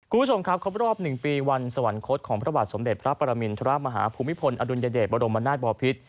คุณผู้ชมครับครบรอบ๑ปีวันสวรรคตของพระบาทสมเด็จพระปรมินทรมาฮาภูมิพลอดุลยเดชบรมนาศบอพิษ